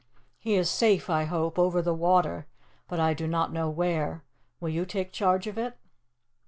He is safe, I hope, over the water, but I do not know where. Will you take charge of it?"